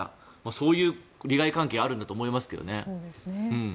そういう利害関係があるんだと思いますけどね。